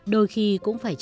đôi khi cũng phải là một cách